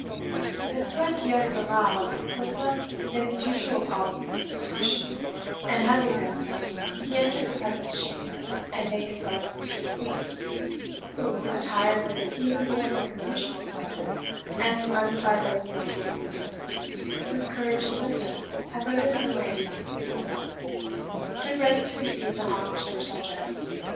This threat he uttered aloud, with less than his usual policy and discretion; and having done so, he entered the presence chamber, and made his reverence to the Queen, who, attired with even more than her usual splendour, and surrounded by those nobles and statesmen whose courage and wisdom have rendered her reign immortal, stood ready to receive the hommage of her subjects.